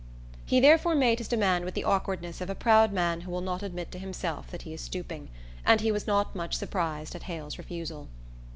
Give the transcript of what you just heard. He therefore made his demand with the awkwardness of a proud man who will not admit to himself that he is stooping; and he was not much surprised at Hale's refusal.